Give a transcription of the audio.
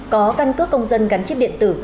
có căn cước công dân gắn chip điện tử